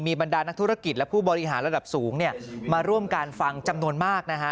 บรรดานักธุรกิจและผู้บริหารระดับสูงมาร่วมการฟังจำนวนมากนะฮะ